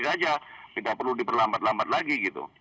saja tidak perlu diperlambat lambat lagi gitu